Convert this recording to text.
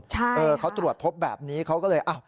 ใช่เออเขาตรวจพบแบบนี้เขาก็เลยอ้าว